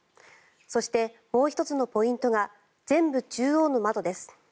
そして、もう１つのポイントが前部中央の窓です。